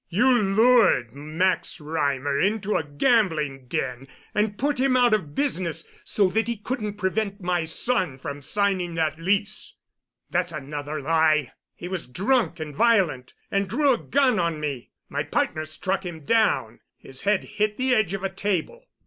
You lured Max Reimer into a gambling den and put him out of business so that he couldn't prevent my son from signing that lease." "That's another lie! He was drunk and violent and drew a gun on me. My partner struck him down. His head hit the edge of a table."